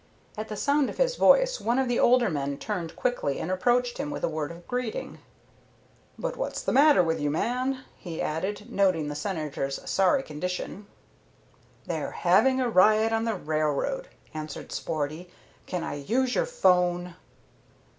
At the sound of his voice one of the older men turned quickly and approached him with a word of greeting. "But what's the matter with you, man?" he added, noting the Senator's sorry condition. "They're having a riot on the railroad," answered Sporty. "Can I use your 'phone?"